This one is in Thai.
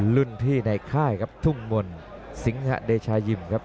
รุ่นพี่ในค่ายครับทุ่งมนต์สิงหะเดชายิมครับ